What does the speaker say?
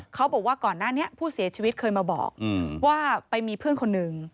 ก่อนหน้านี้ผู้เสียชีวิตเคยมาบอกว่าไปมีเพื่อนคนหนึ่ง